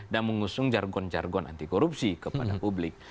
dan mengusung jargon jargon anti korupsi kepada publik